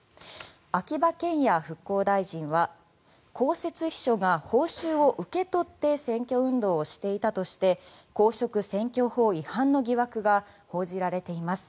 秋葉賢也復興大臣は公設秘書が報酬を受け取って選挙運動をしていたとして公職選挙法違反の疑惑が報じられています。